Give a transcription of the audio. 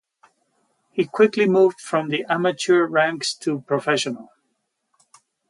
He quickly moved from the amateur ranks to professional.